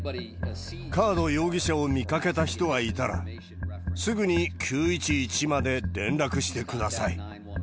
カード容疑者を見かけた人がいたら、すぐに９１１まで連絡してください。